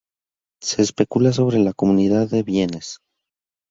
Se especula sobre la comunidad de bienes.